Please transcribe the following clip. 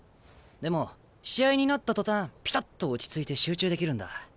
でも試合になった途端ピタッと落ち着いて集中できるんだ。